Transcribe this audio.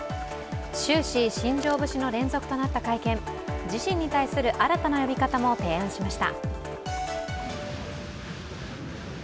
終始、新庄節の連続となった会見自分に対する新たな呼び方も提案しました。